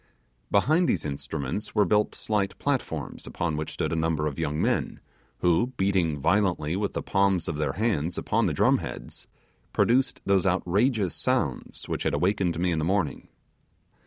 Behind these instruments were built slight platforms, upon which stood a number of young men who, beating violently with the palms of their hands upon the drum heads, produced those outrageous sounds which had awakened me in the morning.